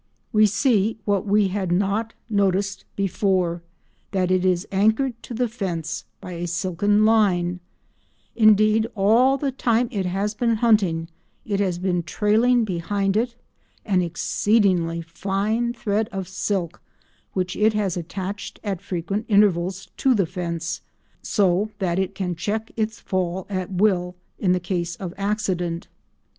We see, what we had not noticed before, that it is anchored to the fence by a silken line; indeed all the time it has been hunting it has been trailing behind it an exceedingly fine thread of silk which it has attached at frequent intervals to the fence, so that it can check its fall at will in the case of accident.